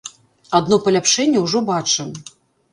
Адно паляпшэнне ўжо бачым.